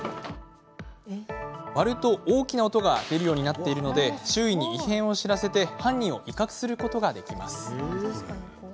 割ると大きな音が出るようになっているので周囲に異変を知らせ犯人を威嚇することができます。